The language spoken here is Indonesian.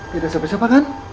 tidak sampai siapa kan